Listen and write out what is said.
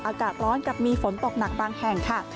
อากาศร้อนกับมีฝนตกหนักบางแห่งค่ะ